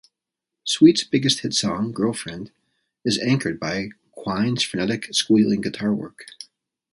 Sweet's biggest hit song, "Girlfriend," is anchored by Quine's frenetic, squealing guitar work.